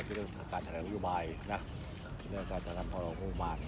ก็คือเรื่องของการแสดงระยุบายนะเรื่องการแสดงพลังโครงพลัง